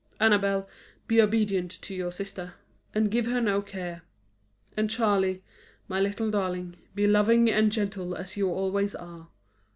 Annabel, be obedient to your sister, and give her no care. And Charley, my little darling, be loving and gentle as you always are.